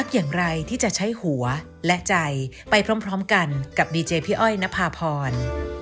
ขอบคุณค่ะพร